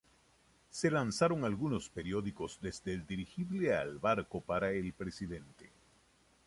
Se lanzaron algunos periódicos desde el dirigible al barco para al presidente.